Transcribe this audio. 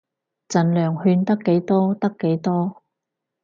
儘量勸得幾多得幾多